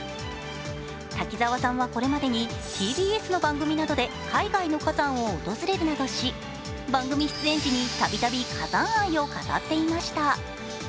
滝沢さんはこれまでにＴＢＳの番組などで海外の火山を訪れるなどし番組出演時にたびたび火山愛を語っていました。